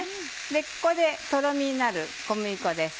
ここでとろみになる小麦粉です。